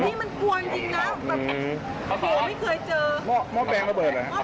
ข้างนอกอ่ะในร้านต่อมา